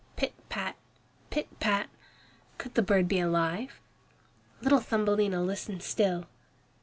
Pit, pat, pit, pat! Could the bird be alive? Little Thumbelina listened still.